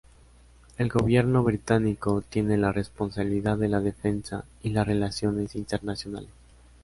El gobierno británico tiene la responsabilidad de la defensa y las relaciones internacionales.